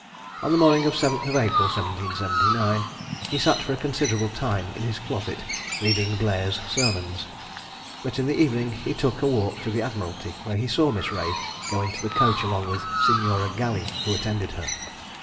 On the morning of the 7th of April, 1779, he sat for a considerable time in his closet, reading "Blair's Sermons:" but in the evening he took a walk to the Admiralty, where he saw Miss Reay go into the coach along with Signora Galli, who attended her.